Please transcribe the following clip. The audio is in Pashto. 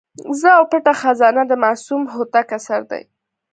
زه او پټه خزانه د معصوم هوتک اثر دی.